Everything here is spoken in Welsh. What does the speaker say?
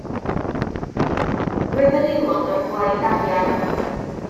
Roedd yn aelod o'r Blaid Arian.